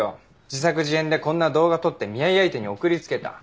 自作自演でこんな動画撮って見合い相手に送りつけた。